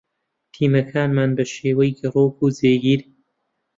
تیمەکانمان بە شێوەی گەڕۆک و جێگیر